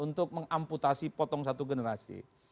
untuk mengamputasi potong satu generasi